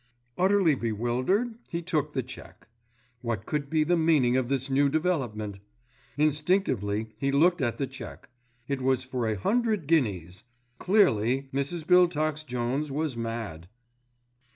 Utterly bewildered, he took the cheque, What could be the meaning of this new development? Instinctively he looked at the cheque; it was for a hundred guineas. Clearly Mrs. Biltox Jones was mad.